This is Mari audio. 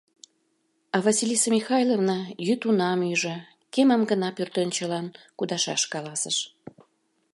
А Василиса Михайловна йӱд унам ӱжӧ, кемым гына пӧртӧнчылан кудашаш каласыш.